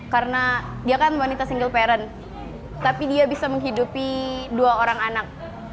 karena dia kan wanita single parent tapi dia bisa menghidupi dua orang anak